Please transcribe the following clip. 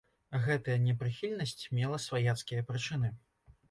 Гэтая непрыхільнасць мела сваяцкія прычыны.